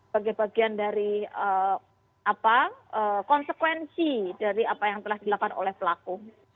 bagian bagian dari konsekuensi dari apa yang telah dilakukan oleh pelaku